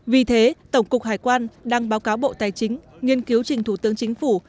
vì thế tổng cục hải quan đang báo cáo bộ tài chính nghiên cứu trình thủ tướng chính phủ